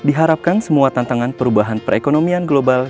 diharapkan semua tantangan perubahan perekonomian global